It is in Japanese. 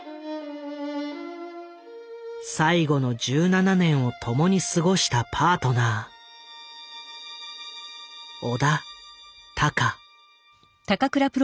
最後の１７年を共に過ごしたパートナー小田貴月。